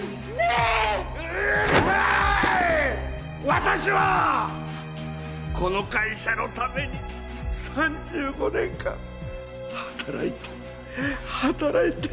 私はこの会社のために３５年間働いて働いて。